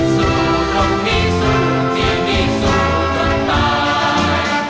สู้ตรงที่สู้ที่มีสู้จนตาย